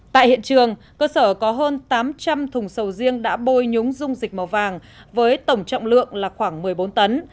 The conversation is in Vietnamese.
tại hiện trường cơ sở có hơn tám trăm linh thùng sầu riêng đã bôi nhúng dung dịch màu vàng với tổng trọng lượng là khoảng một mươi bốn tấn